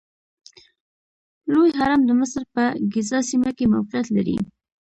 لوی هرم د مصر په ګیزا سیمه کې موقعیت لري.